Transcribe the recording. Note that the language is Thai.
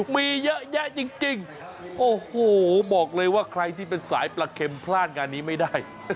มีเยอะแยะจริงโอ้โหบอกเลยว่าใครที่เป็นสายปลาเข็มพลาดงานนี้ไม่ได้